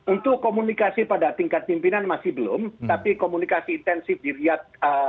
untuk komunikasi pada tingkat pimpinan masih belum tapi komunikasi intensif di riyad